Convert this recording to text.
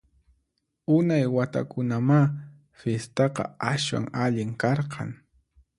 Unay watakunamá fistaqa aswan allin karqan!